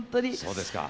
そうですか。